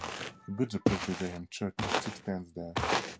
He built the Presbyterian church that still stands there.